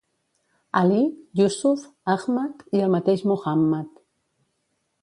Alí, Yússuf, Àhmad i el mateix Muhàmmad.